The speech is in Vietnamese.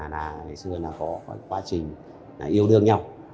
ngày xưa là có quá trình yêu đương nhau